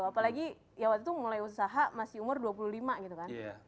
apalagi ya waktu itu mulai usaha masih umur dua puluh lima gitu kan